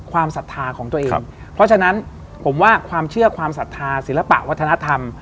ศรัทธาของตัวเองเพราะฉะนั้นผมว่าความเชื่อความศรัทธาศิลปะวัฒนธรรม